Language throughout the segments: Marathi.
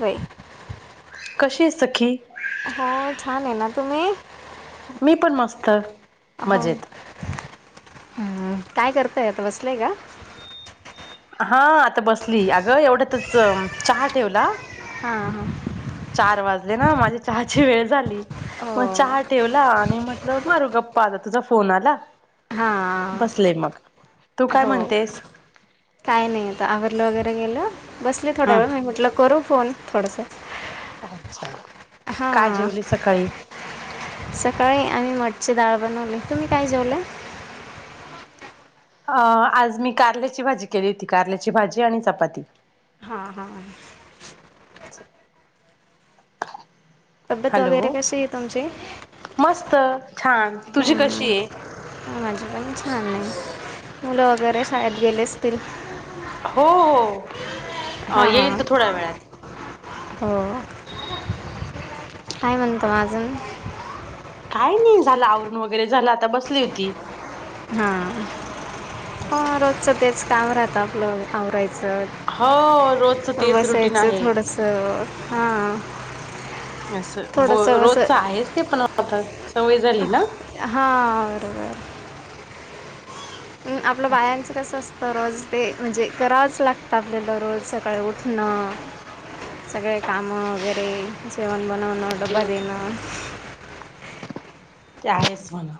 होय कशी सखी हो छान आहे ना तुम्ही मी पण मस्त हो मजेत ह् काय करतय आता बसलंय का हा आता बसली अगं एवढ्यातच चहा ठेवला हा हा चार वाजले ना माझी चहाची वेळ झाली मग हो चहा ठेवला आणि म्हट मारू गप्पा आता तुझा फोन आला हां बसले मग तू काय हो म्हणतेस काय नाही आता आवरर्लं वगैरे गेलं बसले थोड्या वेळ मी हम्म म्हटलं करू फोन थोडंसं अच्छा हा काय जेवली सकाळी सकाळी आणि म ची डाळ बनवली तुम्ही काय जेवलं अ आज मी कारल्याची भाजी केली होती कारल्याची भाजी आणि चपाती हा हा अच्छा तब्येत हॅलो वगैरे कशी आहे तुमची? मस्त छान तुझी कशी आहे प छान नाही मुलं वगैरे शाळेत गेले असतील हो हो येईल हां तर थोड्या वेळात हो असं काय म्हणतो माजून काय नाही झालं आवरण वगैरे झालं आता बसली होती हा असं रोजच तेच काम राहतं आपलं आवरायचं हो रोजच तेच रुटीन बसायचं आहे थोडस हा असं ब रोजच आहेच ते पण आता सवय झाली ना हा बरोबर आपलं असं बायांचं कसं असतं रोज ते म्हणजे करावंच लागतं आपल्याला रोज सकाळी उठणं सगळे कामं -वगैरे. जेवण बनवणं, डब्बा देणं. ते आहेच म्हणा.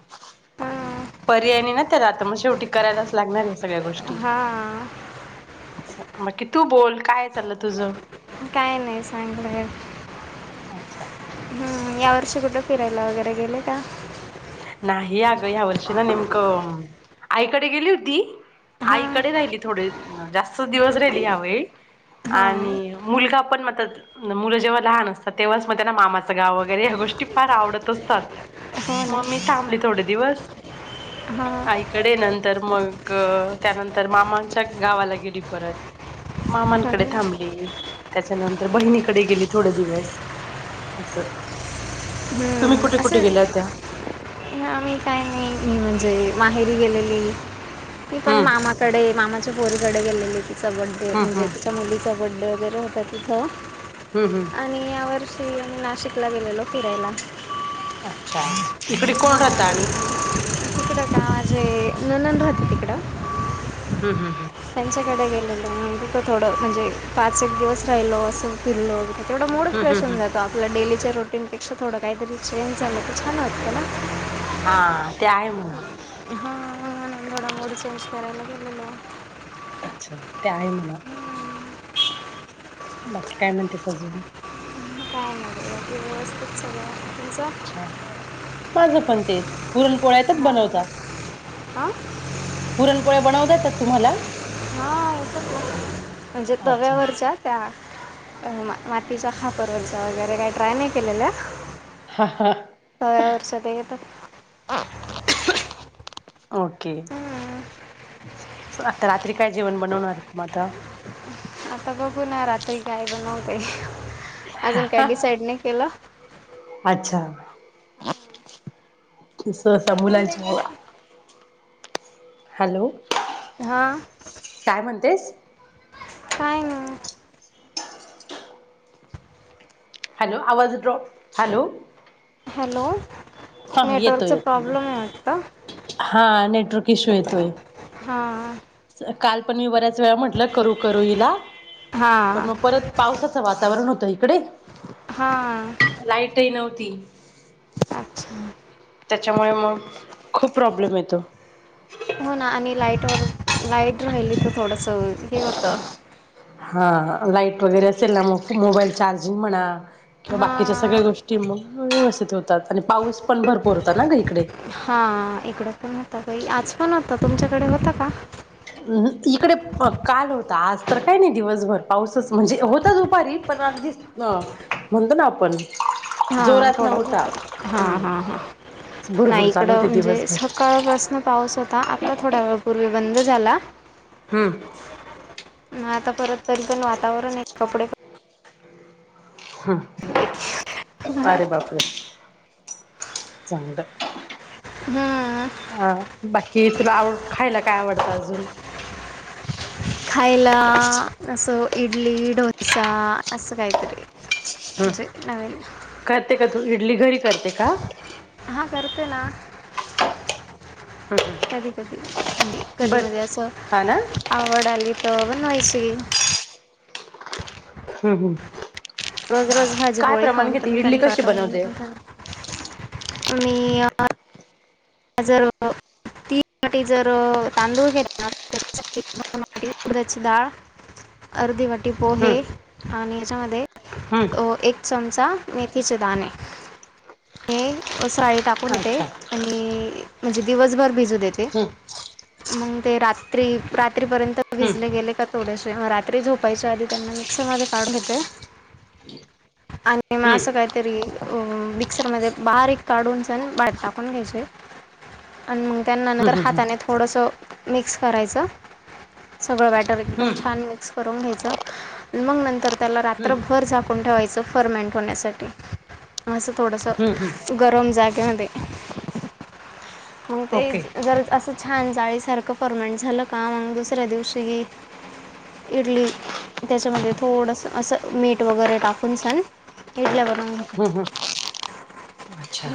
हां पर्यायने ना त्याला आता, मग शेवटी करायलाच लागणार आहेस. हा. बाकी तू बोल, काय चाललं तुझ? काय नाही सांगता येत अच्छा. ह यावर्षी कुठे फिरायला वगैरे गेले का? नाही. अगं ह्या वर्षी ना, नेमकं आईकडे गेली होती, हां आईकडे राहिली थोडे, जास्त दिवस राहिली ह्यावेेळी. हां आणि मुलगा पण म मुलं जेव्हा लहान असतात, तेव्हाच मग त्याला मामाचं गाव वगैरे ह्या गोष्टी फार आवडतच हो मग मी थांबली थोडे दिवस. हा. आईकडे, नंतर मग त्यानंतर, मामांच्या गावाला गेली परत. हो मामांकडे ना थांबली. त्याच्यानंतर बहिणीकडे गेली थोडे दिवस. असं. हम्म असं त्या- मी काय नाही, मी म्हणजे माहेरी गेलेली, ती पण हम्म मामाकडे मामाच्या पोरीकडे गेलेली तिचा बड्डे, हम्म म्हणजे हम्म तिच्या मुलीचा बड्डे वगैरे होता तिथं. हम्म हम्म. आणि यावर्षी मी, नाशिकला गेलेलो फिरायला. अच्छा. इकडे कोण राहत हां आणि? तिकडं का माझी ननद राहते तिकडं, हम्म हम्म हम्म त्यांच्याकडे गे त थोडं म्हणजे पाच एक दिवस राहिलो, असं फिरलो. तेवडा मुड हम्म हम्म फेश होऊ जातो हम्म आपला, डेली रुटीन पेक्षा थोडं काहीतरी चेंज झालं तर छान वाटत ना. हा. ते आहे म्हणा. ंमूड चेंज करायला गेलेलो. अच्छा. ते आहे म्हणा. बाकी, काय म्हणतेस अजून? सगळ्यांसाठीच. अच्छा माझं पण तेच पुरण पोळ्यातच बनवता. आा. पुरण पोळ्या बनवता येतात तुम्हाला? हा येतात म्हणजे. अच्छा तव्यावरच्या त्या अ मातीचा खापरचा वगैरे काही ट्राय नाही केलेला. हा हा तव्यावर साद्या येतात ओके. हम्म. आता रात्री काय जेवण बनवणार? म आता. आता बघू ना रात्री काय बनव काही अजून काय डिसाईड नाही केलं. [unintelligible] मुलांच्या [unintelligible] हॅलो. हा. काय म्हणतेस? काय नाय. हॅलो. आवाज ड्रॉप हॅलो. हॅलो हा येतो नेटवर्कचा येतो. प्रॉब्लेम आहे वाटतं हा आणि तोच इशु येतोय. हा. काल पण मी बऱ्याच वेळा म्हटलं करू करू हिला पण हां मग परत पावसाचा वाच वातावरण होतं इकडे हा होती अच्छा त्याच्यामुळे मग खूप प्रॉब्लेम येतो हो ना आणि लाईटवरर लाईट राहिली तर थोडस हे होत हा लाईट वगैरे असेल ना मग मोबाईल चार्जिंग म्हणा किंवा बाकीच्या हां सगळ्या गोष्टी व्यवस्थित होतात आणि पाऊस पण भरपूर होताात ना ग इकडे हा इकड पण होता काही आज पण होता तुमच्याकडे होत का इकडे काल होता आज तर काय नाही दिवसभर पाऊसच म्हणजे होता दुपारी अगदी म्हणतो ना आपण हा जोरात थोडा नव्हता बत हा हा हा भुरभूर चालू होते नाहीईकडं म्हणजे दिवसभर सकाळपासन पाऊस होता आता आता थोड्या वेळापूर्वी बंद झाला हमम मग आता परत तरी पण वातावरण आहे कपडे हा अबई ह चांग हम्म अ बाकी तुला आवड खायला काय आवडतं अजून खायला, असं, इडली, डोसा अस कायतरी. हम, करते का तू इडली घरी करते? का हा करते ना. कधी, कधी म्हणजे कधी बर मध हा ना असंऽऽ आवड आली तर बनवायचीी. हम्म, हम्म, रोज, रोज भाजीपोळी खाऊन पण कशी कटळटो, बनवते हो. मी, हजर,, तीन वाटी जर तांदूळ घातले ना,, त्यासाठी दोन वाटी उर्दची डाळ, अर्धी वाटी हं पोहे, आणि याच्यामध्ये, हं एक चमचा मेथीचे दाणे. हे साळी टाकून येते अच्छा आणिऽऽ आणि, म्हणजे दिवसभर भिजू देते. हं मग ते रात्री, रात्रीपर्यंत हं भिजले गेले का थोडेसे रात्री झोपायच्या आधी त्यांनाऽऽ मिक्सर मधे काढून घेते. आणि मग हं असं काहीतरी, अं मिक्सर मध्ये बारीक काढून सण, बाट टाकून घ्यायचऽऽ आणि मग त्या हं नंतर हं हाताने थोडसंऽ मिक्स करायचं, सगळं बॅटर एकदम हं छान मिक्सऽऽ करून घ्यायच, मग नंतर त्याला हं रात्रभर झाकून ठेवायचं फर्मेंट होण्यासाठी. असं हं हं थोडंसं, गरम जागेमध्ये. मग ते ओके जर असंऽऽ छान जाळीसारखं परर्मनंट झालं का? मग दुसऱ्या दिवशी इडलीऽऽ त्याच्यामध्ये थोडसं असं मीठ वगैरे टाकून सण इडल्यावरऽऽ हम्म, हम्, अच्छा,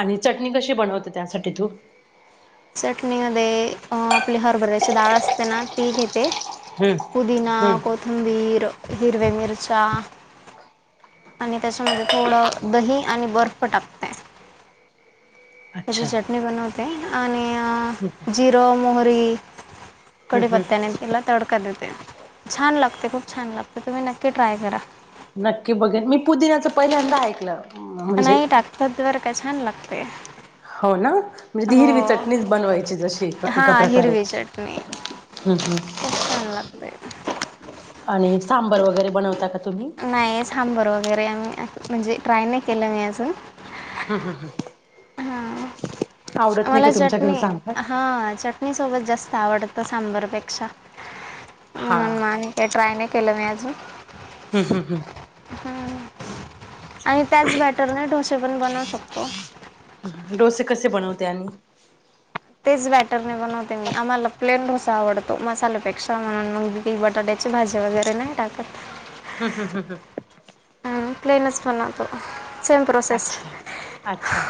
आणि चटणी कशी बनवते त्यासाठी तू? चटणीमध्ये, आपली हरभऱ्याची डाळ असते ना ती घेते. हं पुदीिना, हं कोथमबीर, हिरवे मिरच्या, आणि त्याच्यामध्ये थोडं दही आणि बर्फ टाकते. त्याची अच्छा चटणी बनवते, आणि जिरं, मोहरी, हं हं कडिपत्ताने तिला तडऽऽ का देते, छान लागते, खूप छान लागते तुम्ही नक्की ट्राय करा. नक्की बघेन, मी पुदिनाचं पहिल्यांदा ऐकलं. म्हणजे नाही, टाकतात बर का! छान लागतय. हो ना, म्हणजे हिरवी चटणीच बनवायची, जशी हा एका प्रकारे. हिरवी चटणी हम्म हम्म खूप छान लागतेय. आणि सांबर वगैरे बनवता का? तुम्ही? नाही सांबर वगैरे, म् म्हणजे ट्राय नाही केलं मी अजून. हम हम हम. हां, मला तुमच्या घरी चटणी, सांबार? हा चट इडली सोबत जास्त आवडतं सांबरपेक्षा, हा म्हणून मा ते ट्राय नाही केलं मी अजून. हम, हम, हम आणि त्याच बॅटरने डोसे पण बनवू शकतो. डोसे कसे बनवते आणि? तेच बॅटरने बनवते मी, आम्हाला प्लेन डोसा आवडतो, मसाल्यापेक्षा म्हणून मग काही बटाट्याचे भाजी वगैरे नाही टाकत. हम हम हम प्लेनच बनवतो. सेम प्रोसेस अच्छा, अच्छा.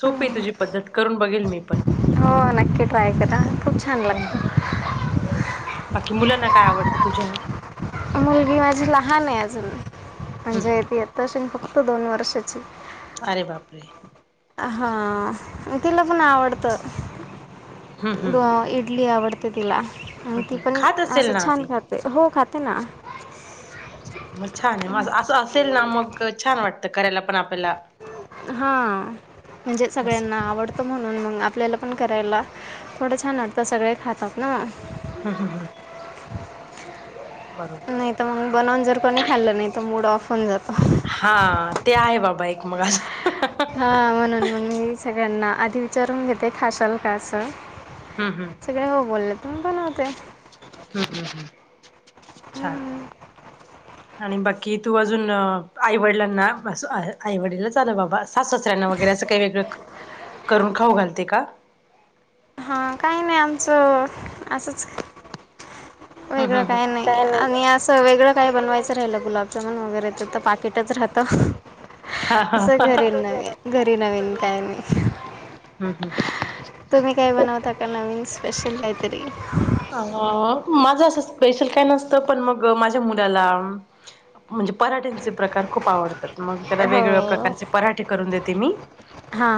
सोपीय तुझी पद्धत करून बघेल मी पण हो नक्की ट्राय करा खूप छान हो ना लागत. बाकी मुलांना काय आवडतं तुझ्या मुलगी माझी लहान आहे अजून हम्म म्हणजे हम्म. ती आत्ता असेल फक्त दोन वर्षची. अरे बापरे! हा मग तिला पण आवडत अ हम्म हम्म इडली आवड त तिला आणि हम्म ती हम्म. पण खात असेल असं ना छान ती? खाते हो खाते ना. अच्छा मग छान माझ अस असेल ना मग छान वाटतं करायला पण आ हा म्हणजे असं सगळ्यांना आवडतो म्हणून मग आ पल्याला पण करायला थोडं छान वाटतं सगळे खातात ना हम्म हम्म हम्म. बरोबर. नाही तर मग बनवून जर कोणी खाल्लं नाही तर मूड ऑफ होऊन जातो. हा ते आहे बाबा एक मस हा म्हणून मग मी सगळ्यांना आधी विचारून घेते खाशाल का असं. हं हं सगळे हो बोलले. तर मी बनवते. हम् हम्म हम्. हम्म. आणि बाकी तू अजून अ आईवडिलांना अस आईवडिलच आल बाबा, सासू-सासर्‍यांना वगैरे अस काय वेगळं करून खाऊ घालते का? हा काही नाही आमचं अ-असंच. हं वेगळं हं हं काय नाही आणि असं वेगळं काय बनवायचं राहिलं गुलाबजान वगैरे ते पाक [unintelligible] हा हा हं़असं हं घरी नाई घरी नवीन काही नाही. [inaudible] तुम्ही काय बनवता का नवीन स्पेशल काहीतरी? अ माझं असं स्पेशल काय नसतं पण मग माझ्या मुलाला म्हणजे पराठ्यांचे प्रकार खूप आवडतात मग त्याला वेगवेगळ्या प्रकारचे पराठे करून देते मी. हा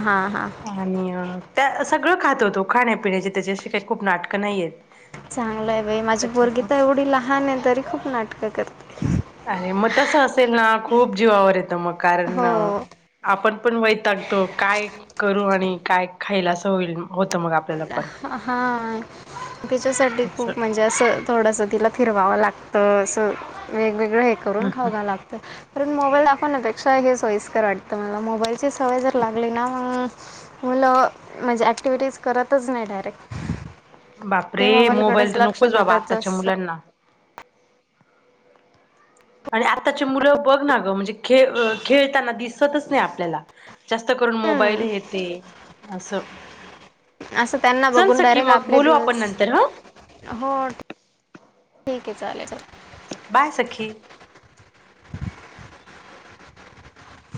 आणि अं त्या सगळं खातो होतो खाण्यापिण्याची त्याच्याशी काही खूप नाटकं नाहीयेत. चांगलंय बाई माझी पोरगी तर त्याच्यामुळे एवढी लहान आहे तरी खूप नाटकं करते. अरे मग तसं असेल ना खूप जीवावर येतं मग कारण हो आपण पण वैतागतो काय करू आणि काय खायला असं होईल म अं हा तिच्यासाठी असं खूप म्हणजे असं थोडस तिला फिरवावं लागत. अ स वेगवेगळं हे करून हम्म खाऊ घा हम्म लागतं पण मोबाईल लागत पनापेक्षा हे सोयस्कर वाटत मला मोबाईलची सवय जर लागली ना मग मुलं म्हणजे ॲक्टिव्हिटीज करतच नाही डायरेक्ट ते बापरे मोबाईलकडेच मोबाईल तर लक्ष नकोच बाबा देतात आत्ताच्या जास्त मुलांना आणि आत्ताचे मुलं बघ ना ग म्हणजे खेळ अं खेळताना दिसतच नाही आपल्याला. जास्त करून मोबाईल हम्म येते असं असं त्यांना चल बघून सखी डायरेक्ट मग आपले बोलू आपण दिवस नंतर ह हो ठीक आहे चालेलचाल बाय सखी.